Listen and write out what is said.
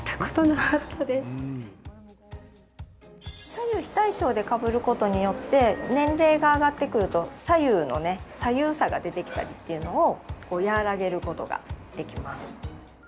左右非対称でかぶることによって年齢が上がってくると左右差が出てきたりっていうのを和らげることができます。